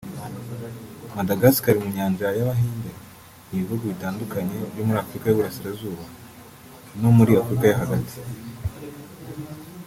Madagascar mu nyanja y’Abahinde n’ibihugu bitandukanye byo muri Afurika y’Iburasirazuba no muri Afurika yo hagati